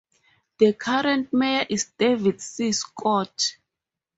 The current Mayor is David C. Schott.